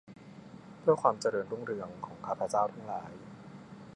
เพื่อความเจริญรุ่งเรืองของข้าพเจ้าทั้งหลาย